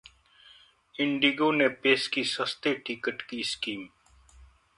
Indigo ने पेश की सस्ते टिकट की स्कीम